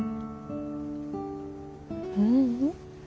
ううん。